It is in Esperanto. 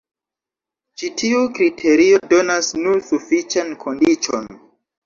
Ĉi tiu kriterio donas nur sufiĉan kondiĉon.